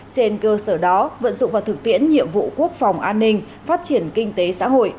trên cơ sở đó vận dụng vào thực tiễn nhiệm vụ quốc phòng an ninh phát triển kinh tế xã hội